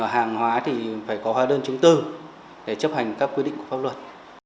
hàng hóa thì phải có hóa đơn chứng tư để chấp hành các quy định của pháp luật